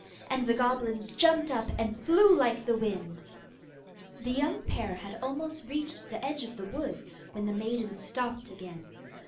And the goblins jumped up, and flew like the wind. The young pair had almost reached the edge of the wood, when the maiden stopped again.